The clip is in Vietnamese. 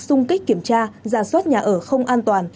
xung kích kiểm tra giả soát nhà ở không an toàn